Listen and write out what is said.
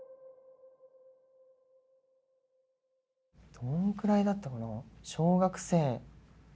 どんくらいだったかな